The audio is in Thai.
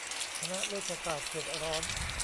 คณะเวชศาสตร์เขตร้อน